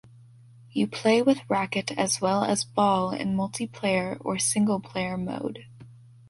You play with racket as well as ball in multiplayer or single player mode.